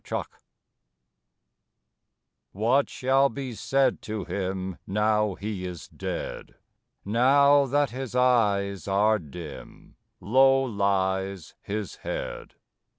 AT LAST What shall be said to him, Now he is dead? Now that his eyes are dim, Low lies his head?